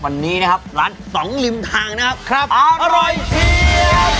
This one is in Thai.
วันนี้นะครับร้านสองริมทางนะครับอร่อยเชียบ